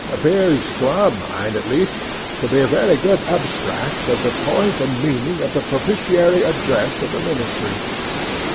appears, to our mind at least, to be a very good abstract of the point and meaning of the propitiatory address of the ministry.